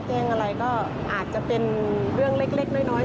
แจ้งอะไรก็อาจจะเป็นเรื่องเล็กน้อย